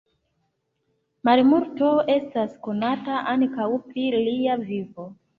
Malmulto estas konata ankaŭ pri lia vivo.